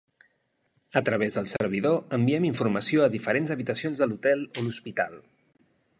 A través del servidor enviem la informació a diferents habitacions de l'hotel o hospital.